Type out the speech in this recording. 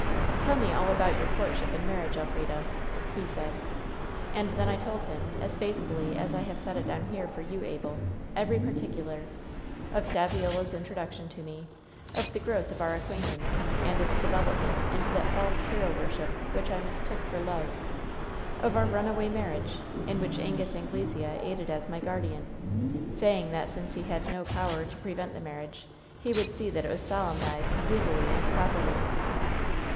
" 'Tell me all about your courtship and marriage, El frida !' he said. "And then I told him, as faithfully as I have set it WHEN SHADOWS DEE «07 down here for you, Abel, every particular — of Saviola's introduction to me ; of the growth of our acquaintance and its development into that false hero worship which I mistook for love ; of our runaway marriage, in which Angus Anglesea aided as my guardian, saying that since he had no power to prevent the marriage he would see that it was solemnized legally and properly.